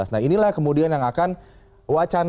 nah inilah kemudian yang akan wacana